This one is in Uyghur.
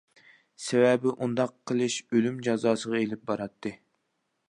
سەۋەبى، ئۇنداق قىلىش ئۆلۈم جازاسىغا ئېلىپ باراتتى.